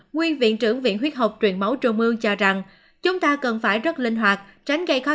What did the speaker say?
nguyên viện trưởng viện huyết học truyền máu trường mương cho rằng